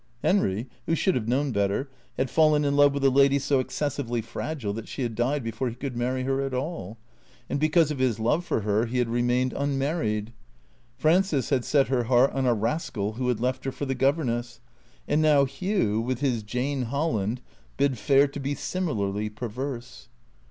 Henry, who should have known better, had fallen in love with a lady so excessively fragile that she had died before he could marry her at all. And because of his love for her he had remained unmarried. Frances had set her heart on a rascal who had left her for the governess. And now Hugh, with his Jane Holland, bid fair to be similarly perverse.